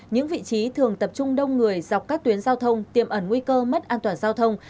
những vị trí thường tập trung đông người dọc các tuyến giao thông tiêm ẩn nguy cơ mất an toàn giao thông